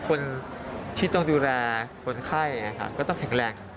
คนที่ต้องดูแลคนไข้ก็ต้องแข็งแรง